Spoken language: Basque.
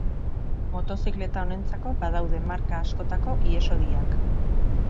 Motozikleta honentzako badaude marka askotako ihes-hodiak.